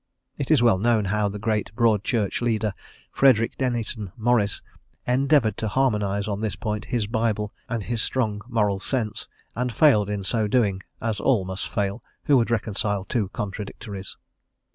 It is well known how the great Broad Church leader, Frederick Denison Maurice, endeavoured to harmonize, on this point, his Bible and his strong moral sense, and failed in so doing, as all must fail who would reconcile two contradictories.